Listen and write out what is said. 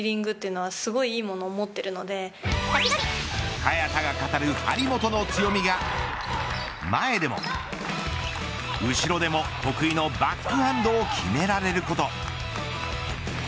早田が語る張本の強みが前でも後ろでも得意のバックハンドを決められること。